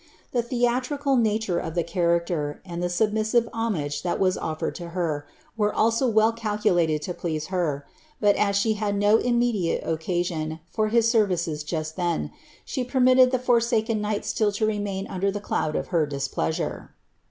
The theatrical nature of the character, and the submissive lomage that was offered to her, were also well calculated to please her , Nit as she bad no immediate occasion for his services just then, she per« nittad the forsaken knight still to remain under the cloud of her dis ilauare.